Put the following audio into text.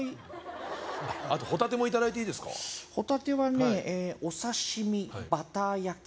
あとホタテもいただいていいですかホタテはねお刺身バター焼き